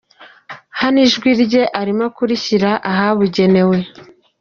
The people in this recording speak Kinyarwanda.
hano ijwi rye arimo kurishyira ahabugenewe.